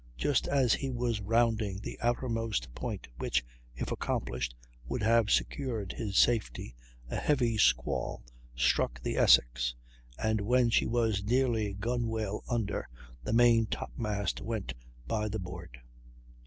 Just as he was rounding the outermost point, which, if accomplished, would have secured his safety, a heavy squall struck the Essex, and when she was nearly gunwale under, the main top mast went by the board.